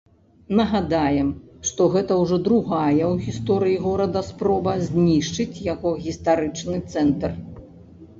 Нагадаем, што гэта ўжо другая ў гісторыі горада спроба знішчыць яго гістарычны цэнтр.